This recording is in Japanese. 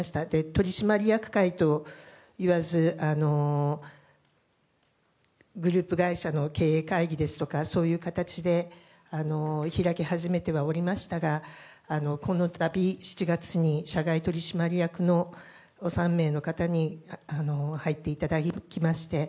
取締役会と言わずグループ会社の経営会議ですとかそういう形で開き始めてはおりましたがこの度、７月に社外取締役の３名の方に入っていただきまして